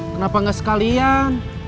kenapa gak sekalian